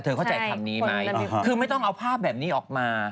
เข้าใจคำนี้ไหมคือไม่ต้องเอาภาพแบบนี้ออกมา